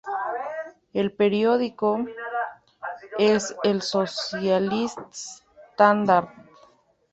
El periódico es el Socialist Standard.